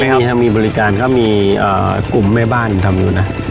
มีครับมีบริการเขามีอ่ากลุ่มแม่บ้านทำอยู่น่ะ